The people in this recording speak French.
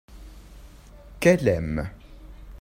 qu'elle aime.